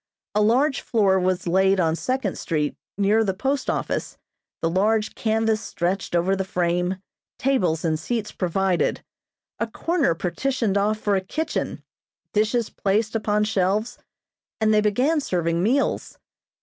A large floor was laid on Second street near the post office, the large canvas stretched over the frame, tables and seats provided, a corner partitioned off for a kitchen, dishes placed upon shelves, and they began serving meals.